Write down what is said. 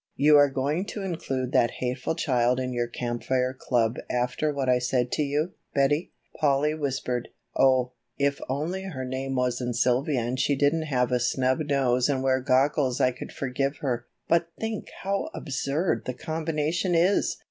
"You are going to include that hateful child in your Camp Fire Club after what I said to you, Betty?" Polly whispered. "Oh, if only her name wasn't Sylvia and she didn't have a snub nose and wear goggles I could forgive her. But think how absurd the combination is!